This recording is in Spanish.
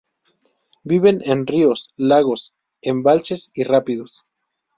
Vive en ríos, lagos, embalses y rápidos.